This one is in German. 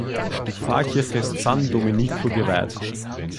Die Pfarrkirche ist San Domenico geweiht.